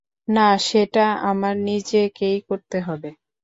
না, সেটা আমার নিজেকেই করতে হবে।